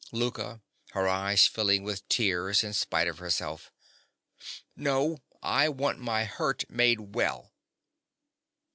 _) LOUKA. (her eyes filling with tears in spite of herself). No, I want my hurt made well.